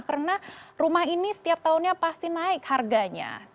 karena rumah ini setiap tahunnya pasti naik harganya